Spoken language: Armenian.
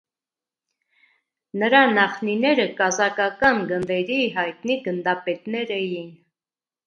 Նրա նախնիները կազակական գնդերի հայտնի գնդապետներ էին։